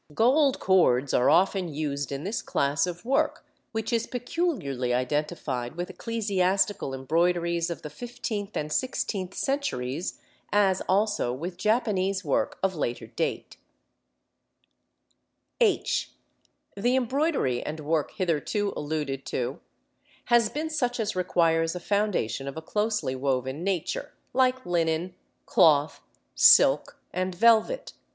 Gold cords are often used in this class of work, which is peculiarly identified with ecclesiastical embroideries of the fifteenth and sixteenth centuries, as also with Japanese work of later date. [Illustration: Fig. 5. A form of Embroidery in relief, called "Couching."] (h) The embroidery and work hitherto alluded to has been such as requires a foundation of a closely woven nature, like linen, cloth, silk, and velvet.